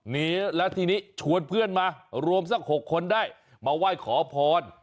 นี้แล้วทีนี้ชวนเพื่อนมารวมสัก๖คนได้มาไหว้ขอพร